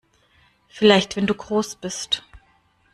Vielleicht wenn du groß bist!